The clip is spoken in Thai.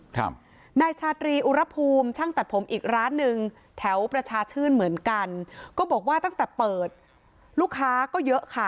ครับนายชาตรีอุรภูมิช่างตัดผมอีกร้านหนึ่งแถวประชาชื่นเหมือนกันก็บอกว่าตั้งแต่เปิดลูกค้าก็เยอะค่ะ